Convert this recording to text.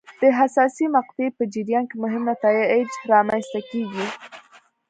د حساسې مقطعې په جریان کې مهم نتایج رامنځته کېږي.